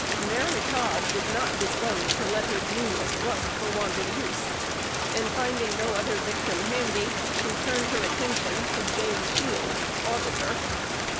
Mary Todd was not disposed to let her genius rust for want of use; and, finding no other victim handy, she turned her attention to James Shields, "Auditor."